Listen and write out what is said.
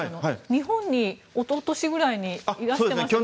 日本に、おととしくらいにいらしていましたよね。